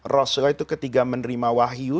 rasulullah itu ketika menerima wahyu